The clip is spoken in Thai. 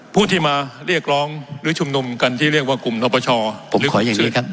ผู้ที่มาเรียกร้องหรือชุมนุมกันที่เรียกว่ากลุ่มนปชผมขออย่างนี้ครับ